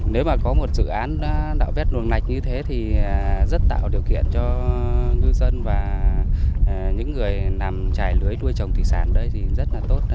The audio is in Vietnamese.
nếu mà có một dự án lạo vét đường lạch như thế thì rất tạo điều kiện cho ngư dân và những người nằm trải lưới đuôi trồng thủy sản đây thì rất là tốt